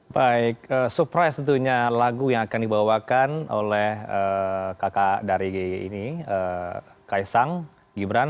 baik surprise tentunya lagu yang akan dibawakan oleh kakak dari ini kaisang gibran